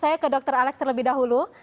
saya ke dr alex terlebih dahulu